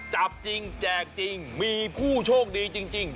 จับจริงแจกจริงมีผู้โชคดีจริง